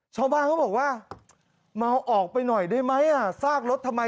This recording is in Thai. ชาวบ้านเขาบอกว่ามาเอาออกไปหน่อยได้ไหมอ่า